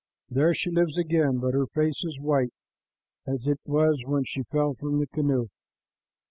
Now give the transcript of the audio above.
There she lives again, but her face is white, as it was when she fell from the canoe.